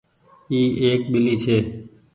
اي ايڪ ٻلي ڇي۔